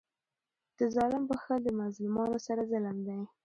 د ظالم بخښل د مظلومانو سره ظلم دئ.